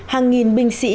hàng nghìn binh sĩ